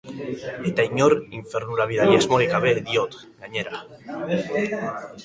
Eta inor infernura bidali asmorik gabe diot, gainera.